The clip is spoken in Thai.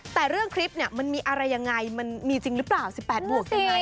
แต่เรื่องคลิปเนี่ยมันมีอะไรยังไงมันมีจริงหรือเปล่า๑๘บวกยังไง